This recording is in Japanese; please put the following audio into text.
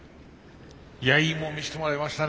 いやいいもん見せてもらいましたね。